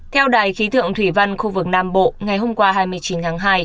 theo đài khí tượng thủy văn khu vực nam bộ ngày hôm qua hai mươi chín tháng hai